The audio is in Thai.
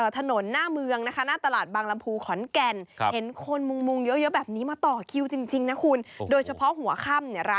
เปิดตอนค่ำ